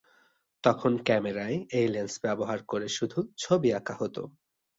তখন ক্যামেরায় এই লেন্স ব্যবহার করে শুধু ছবি আঁকা হতো।